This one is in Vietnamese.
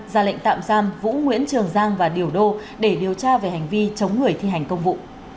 ra lệnh tạm giam vũ nguyễn trường giang và điểu đô để điều tra về hành vi chống người thi hành công vụ